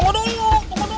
temu dulu temu dulu